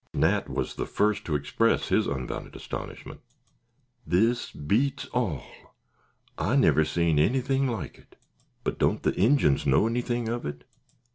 Nat was the first to express his unbounded astonishment. "This beats all. I never seen anything like it. But don't the Injins know anything of it?"